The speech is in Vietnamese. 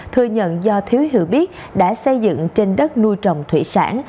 thừa nhận do thiếu hiểu biết đã xây dựng trên đất nuôi trồng thủy sản